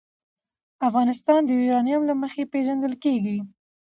افغانستان د یورانیم له مخې پېژندل کېږي.